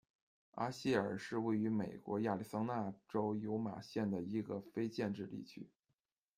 阿谢尔是位于美国亚利桑那州尤马县的一个非建制地区。